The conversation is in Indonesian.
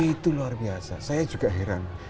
itu luar biasa saya juga heran